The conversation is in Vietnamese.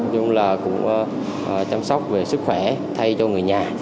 chung là cũng chăm sóc về sức khỏe thay cho người nhà